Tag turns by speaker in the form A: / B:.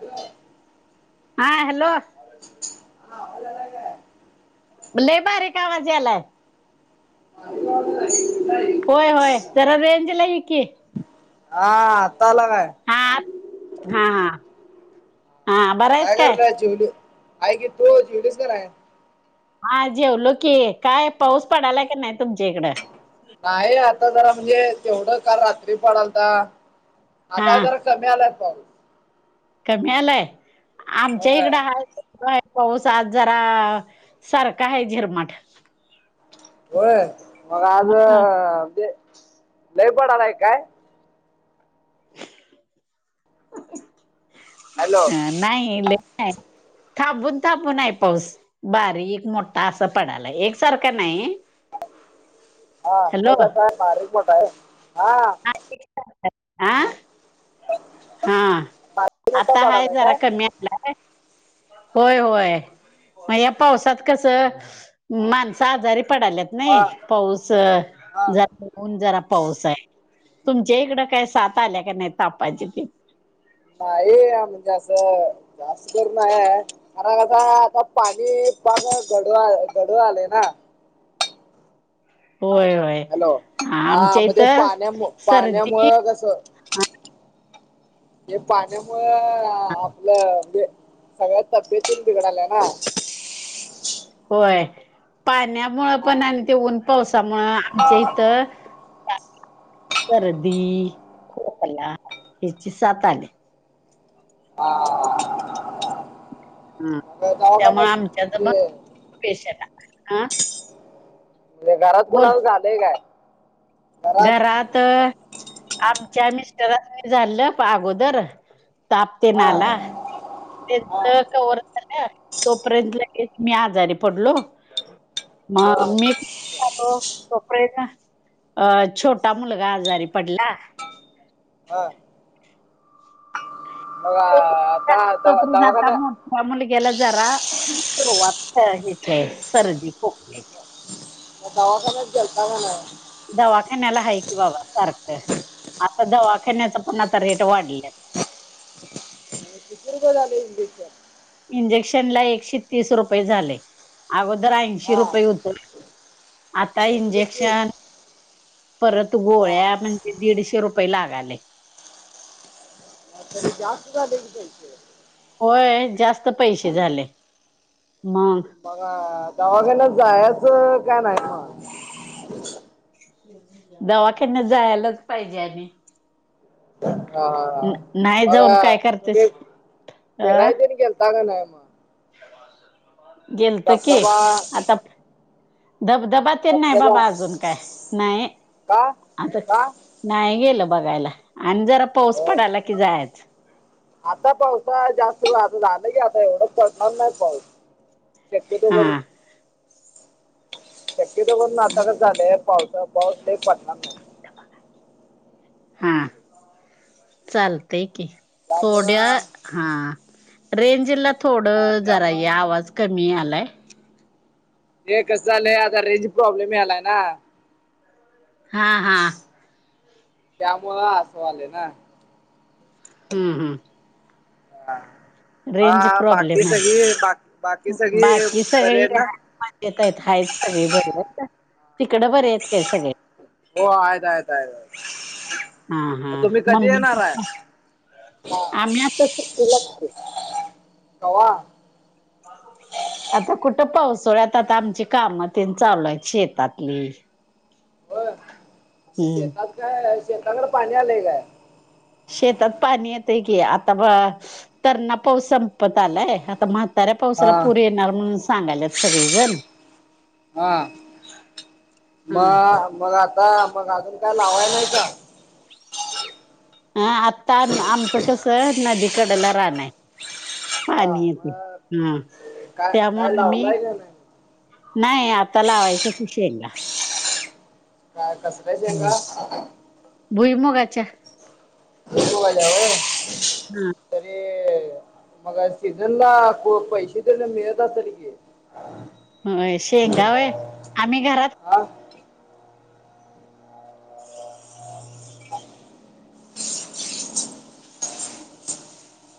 A: हॅ
B: हा हॅलो
A: लाला का आहे
B: लय बारीक आवाज यायलाय
A: अ काश
B: होय होय जरा रेंजला की
A: हा ला काय
B: हा हा हा हा बरा आहेस
A: काय करलाय चिवली आहे कि तो चिवलीस कर आहे
B: हा जेवलो की काय पाऊस पडायला काी नाही तुमच्या इकडं
A: नाही आता जरा म्हणजे तेवढं काल रात्री पडलता
B: हा
A: आता जर कम आलात पा
B: कमी आलाय आमच्या
A: होय
B: इकडं हा आहे पाऊस आज जरा सारखा आहे झिरमाट.
A: होय मग आज
B: ह
A: ते लय पड आलाय काय?
B: [unintelligible]
A: हॅलो
B: अ नाही थांबून थांबून आहे पाऊस. बारीक मोठा असा पडला एकसारखा नाही.
A: हा
B: हॅलो
A: मगस आहे बारीक मोठ आहे हा
B: आ हा
A: बारीक मोठा
B: आता हाय
A: पडालाय
B: जरा कमी आलाय
A: [unintelligible]
B: होय होय मग या पावसात कसं माणसं आजारी पडाल्यात
A: हा
B: नाही पाऊस
A: हा
B: जराऊन जरा पाऊस आहे. तुमच्या इकडं काय साथ आल्या का नाही तापाची ते?
A: नाही म्हणजे असं जास्त कर नाही. अ कस आता पाणी पण गड गडव आलंय ना.
B: होय होय
A: हॅलो हा
B: आमच्या
A: म ते
B: इथं
A: पाण्यामु
B: सर्दी
A: पाण्यामुळ कस हे पाण्यामुळ आपलं सगळ्या तब्येतून बिघड आल्या ना.
B: होय पाण्यामुं
A: हा
B: पण आणि तेऊन पावसामुं आमच्या इथ सर्दी, खोकला ह्याची सात आली.
A: [unintelligible]
B: बशला ह
A: म्हजे घरात कोणाला झालंय काय?
B: घरात आमच्या मिस्टरस मी झालं अगोदर ताप येन‌
A: हा
B: आला.
A: हा
B: कवर झालं तोपर्यंत केस मी आजारी पडलो. म
A: मग
B: मी हॅलपडे अ छोटा मुलगा आजारी पडला.
A: हा मग आता दवा
B: [unintelligible]
A: दवाखान्या
B: त्या मुलग्याला जरा सुरुवात ह्याची सर्दी खोक
A: दवाखच घेलता काय नाय?
B: दवाखान्याला आहे की बाबा सारखं आता दवाखान्याच पण आता रेट वाढल्यात
A: किती रुपयांचा झालं इंजेकशन?
B: इंजेक्शन ला एकशे तीस रुपये झाले अगोदर ऐंशी
A: हा
B: रुपये होत. आता
A: एकशे तीस
B: इंजेक्शन परत
A: हा
B: गोळ्या म्हणजे दीडशे रुपये लागालय.
A: तनिक जास्त झालं कि पैसे
B: होय जास्त पैसे झाले मग
A: बघा दवाखान्यात जायचं काय नाही? मग
B: दवाखान्यात जायलाच पाहिजे आधी.
A: हा, हा.
B: ना
A: बघा तुम्ही फिरायला ते गेलता ग नाही?
B: गेलतो की
A: धबधबा
B: आता धबधबा नाही
A: धबधबा
B: बाबा अजून काय नाही
A: का
B: आता
A: का
B: नाही गेलं बघायला आणि जरा पाऊस
A: हो
B: पडाला की जायच.
A: आता पावसा जास्त आता झाला की आता एवढंच पडनार नाही पाऊस. शक्यतो
B: हा
A: वर शक्यत कर आता का चालूये पावसा पाऊस काय पडणार नाही
B: हा चालत की थोड्या
A: त्यामुळं
B: हा रेंजला थोड
A: हा,
B: जरा
A: त्यामुळं
B: ये आवाज कमी आलाय
A: हे कसं झालंय आता रेजी प्रॉब्लेम आलाय ना
B: हा हा
A: त्यामुळ असं व्हालंय ना
B: हम्म हम्
A: हा
B: रेंज
A: बाकी
B: प्रॉब्लेम आहे
A: सगळी बाकी बाकी सगळी बरी आहे ना
B: येतय आहेताच सगळे बर आहेत तिकडं बरे आहेत काय सगळे
A: हो आहेततयतय
B: हा हा मम्मी पप्पा आम्ही आ
A: कवा ह
B: आता कुठं पावसाळ्यात आता आमची कामं त चालूय शेतातली हम्म
A: आता काय शेताकडे पाणी आलेय काय
B: शेतात पाणी येतय की आता तरणा पाऊस संपत आलाय आता म ताऱ्या
A: हा
B: पावसाला पुर येणार म्हणून सांगायल्यात सगळे जण
A: हा
B: हम्म.
A: मग मग आता मग अजून काय लावाय नाही का
B: ह आत्ता आमचं कसं नदीकडेला राहण आहे
A: हा
B: पाणी येेते हा
A: मग काय
B: त्यामु
A: काय
B: आम्ही
A: लावलाय का नाही
B: नाही आता लावायच्या कि शेंगा
A: काय कसल्या शेंगा
B: भुईमुगाच्या
A: व
B: हा
A: तरी मग सीझन ला पैसे देले मिळत सार की
B: हय शेंगाव आहे आम्ही घरात
A: हा